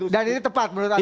dan ini tepat menurut anda